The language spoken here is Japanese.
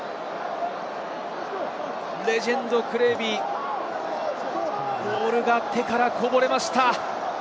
レジェンド、クレービー、ボールが手からこぼれました。